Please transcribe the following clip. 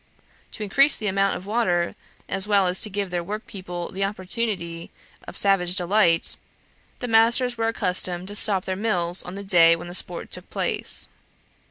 To increase the amount of water, as well as to give their workpeople the opportunity of savage delight, the masters were accustomed to stop their mills on the day when the sport took place.